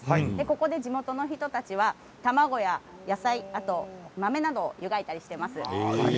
ここで地元の人たちは卵や野菜あとは豆などを湯がいたりしています。